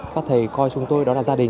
các thầy coi chúng tôi đó là gia đình